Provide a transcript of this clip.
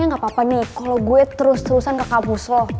emangnya gapapa nih kalo gue terus terusan kekabus lo